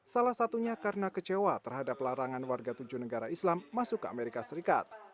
salah satunya karena kecewa terhadap larangan warga tujuh negara islam masuk ke amerika serikat